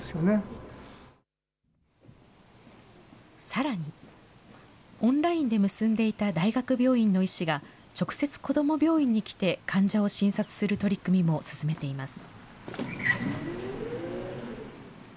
さらに、オンラインで結んでいた大学病院の医師が、直接こども病院に来て、患者を診察する取り組みも進めています。